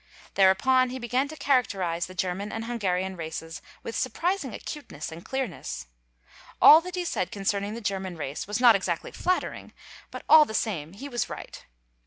'The re: upon he began to characterise the German and the Hungarian races with surprising acuteness and clearness. All that he said concerning the German race was not exactly flattering, but all the same he was CORPORAL CHARACTERISTICS 375 right.